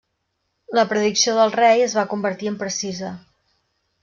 La predicció del rei es va convertir en precisa.